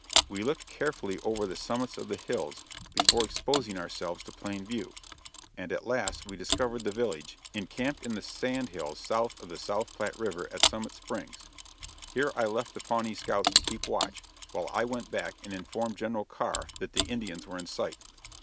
We looked carefully over the summits of the hills before exposing ourselves to plain view, and at last we discovered the village, encamped in the sand hills south of the South Platte river at Summit Springs. Here I left the Pawnee scouts to keep watch, while I went back and informed General Carr that the Indians were in sight.